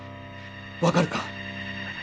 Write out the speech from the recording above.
分かるか？